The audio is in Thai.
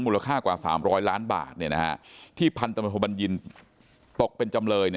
มูลค่ากว่า๓๐๐ล้านบาทที่พันธุบัญญินต์ตกเป็นจำเลย